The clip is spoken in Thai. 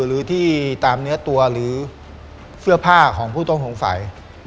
หรือที่ตามเนื้อตัวหรือเสื้อผ้าของผู้ต้องสงสัย